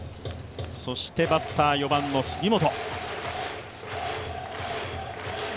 そしてバッター、４番の杉本。